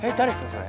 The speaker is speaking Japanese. それ。